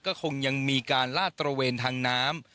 ก็คงยังมีการลาดตระเวนทางน้ำ